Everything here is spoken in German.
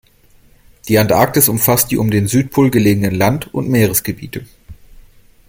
Die Antarktis umfasst die um den Südpol gelegenen Land- und Meeresgebiete.